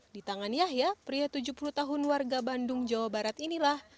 di tangan yahya pria tujuh puluh tahun warga bandung jawa barat inilah